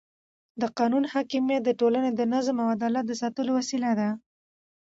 د قانون حاکمیت د ټولنې د نظم او عدالت د ساتلو وسیله ده